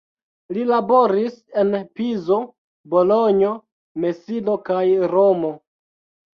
Li laboris en Pizo, Bolonjo, Mesino kaj Romo.